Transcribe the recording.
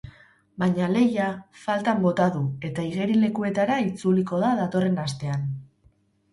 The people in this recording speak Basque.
Baina lehia faltan bota du eta igerilekuetara itzuliko da datorren astean.